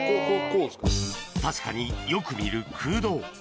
確かによく見る空洞